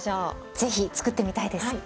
ぜひ作ってみたいです。